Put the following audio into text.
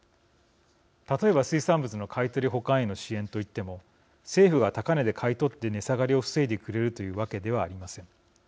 例えば、水産物の買い取り保管への支援といっても政府が高値で買い取って値下がりを防いでくれるというわけではありません。